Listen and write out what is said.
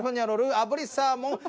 あぶりサーモン。